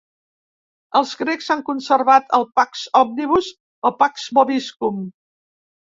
Els grecs han conservat el "Pax omnibus" o "Pax vobiscum".